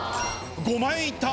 ５万円いった。